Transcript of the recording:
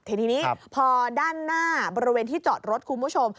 ทีนี้พอด้านหน้าบริเวณที่จอดรถคุณผู้ชม